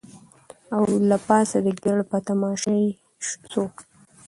او له پاسه د ګیدړ په تماشې سو